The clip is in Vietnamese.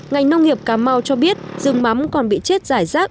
ngành nông nghiệp cà mau cho biết rừng mắm còn bị chết giải rác